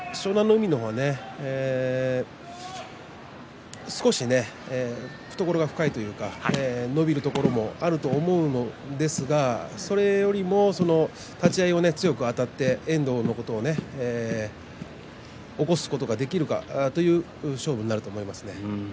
海の方はね少し懐が深いというか伸びるところがあると思うのですがそれよりも立ち合い強くあたって遠藤を起こすことができるかという勝負になると思います。